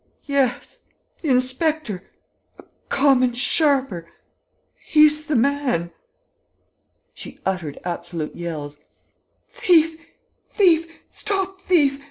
"Yes, the inspector ... a common sharper ... he's the man...." She uttered absolute yells: "Thief! Thief! Stop thief!...